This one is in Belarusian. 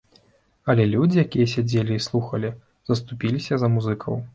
Але людзі, якія сядзелі і слухалі, заступіліся за музыкаў.